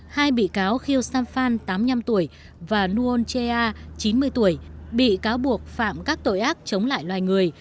hai bị cáo khiu samphan tám mươi năm tuổi và nguon chea chín mươi tuổi bị cáo buộc phạm các tội ác chống lại loài người